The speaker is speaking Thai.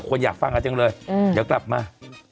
คนอยากฟังกันจังเลยเดี๋ยวกลับมา